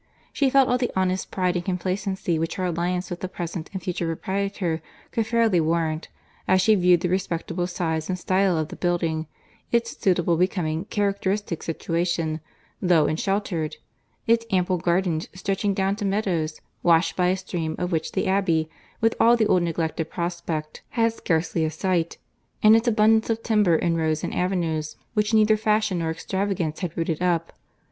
She felt all the honest pride and complacency which her alliance with the present and future proprietor could fairly warrant, as she viewed the respectable size and style of the building, its suitable, becoming, characteristic situation, low and sheltered—its ample gardens stretching down to meadows washed by a stream, of which the Abbey, with all the old neglect of prospect, had scarcely a sight—and its abundance of timber in rows and avenues, which neither fashion nor extravagance had rooted up.